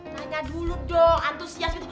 tanya dulu dong antusias itu